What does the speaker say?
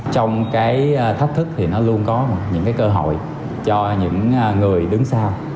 trong cái thách thức thì nó luôn có những cái cơ hội cho những người đứng sau